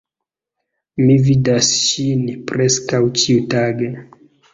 Mi vidas ŝin preskaŭ ĉiutage.